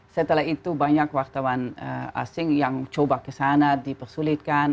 setelah itu banyak wartawan asing yang coba kesana dipersulitkan